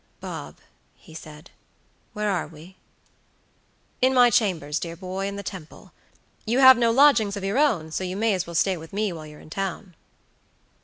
"Bob," he said, "where are we?" "In my chambers, dear boy, in the Temple. You have no lodgings of your own, so you may as well stay with me while you're in town."